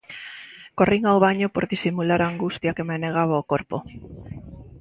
Corrín ao baño por disimular a angustia que me anegaba o corpo.